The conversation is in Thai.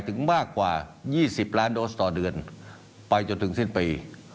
ถึงมากกว่า๒๐ล้านโดสต่อเดือนไปจนถึงสิ้นปี